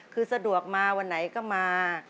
คือสะดวกมาวันไหนก็มา